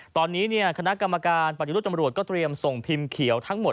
ตอนนี้คณะกรรมการปฏิรูปตำรวจก็เตรียมส่งพิมพ์เขียวทั้งหมด